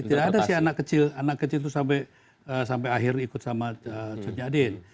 tidak ada si anak kecil anak kecil itu sampai akhir ikut sama cut nyadin